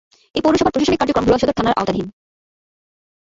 এ পৌরসভার প্রশাসনিক কার্যক্রম ভোলা সদর থানার আওতাধীন।